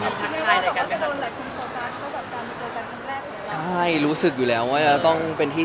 แล้วถ่ายละครมันก็๘๙เดือนอะไรอย่างนี้